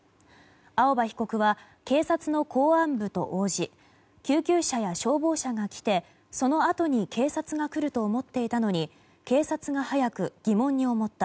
青葉被告は警察の公安部と応じ救急車や消防車が来てそのあとに警察が来ると思っていたのに警察が早く、疑問に思った。